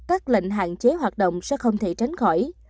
các lệnh hạn chế hoạt động sẽ không thể tránh khỏi